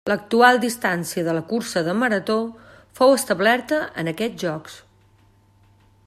L'actual distància de la cursa de Marató fou establerta en aquests Jocs.